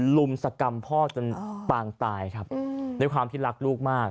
ลุมสกรรมพ่อจนปางตายครับด้วยความที่รักลูกมาก